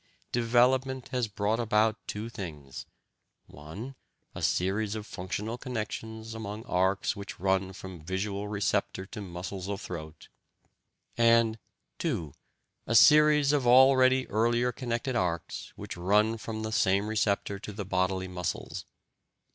development has brought about two things: (1) a series of functional connections among arcs which run from visual receptor to muscles of throat, and (2) a series of already earlier connected arcs which run from the same receptor to the bodily muscles....